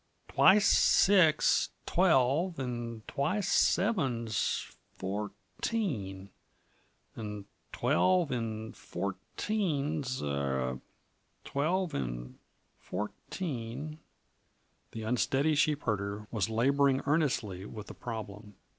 "Twice six's twelve, 'n' twice seven's four r teen, 'n' twelve 'n' fourteen's er twelve 'n' fourteen " The unsteady sheepherder was laboring earnestly with the problem.